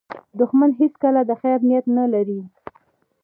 دښمن هیڅکله د خیر نیت نه لري